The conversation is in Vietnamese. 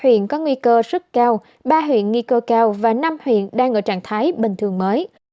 huyện có nguy cơ rất cao ba huyện nghi cơ cao và năm huyện đang ở trạng thái bình thường mới